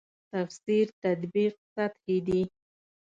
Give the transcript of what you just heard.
تفسیر تطبیق سطحې دي.